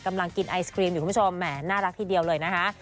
กำลังกินไอศครีมอยู่คุณผู้ชมแหมน่ารักทีเดียวเลยนะคะ